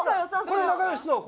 これ仲良しそう。